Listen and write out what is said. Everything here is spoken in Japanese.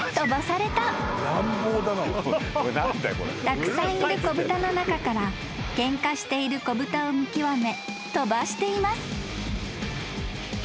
［たくさんいる子豚の中からケンカしている子豚を見極め飛ばしています］